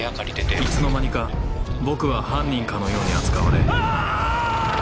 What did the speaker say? いつの間にか僕は犯人かのように扱われあぁ‼